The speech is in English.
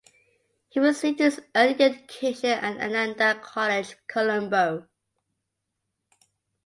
He received his early education at Ananda College, Colombo.